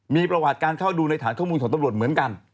มีประวัติการเข้าดูในฐานข้อมูลของตำรวจเหมือนกัน